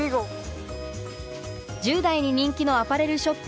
十代に人気のアパレルショップ